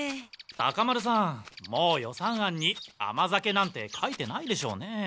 タカ丸さんもう予算案にあま酒なんて書いてないでしょうね？